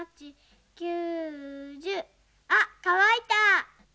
あっかわいた。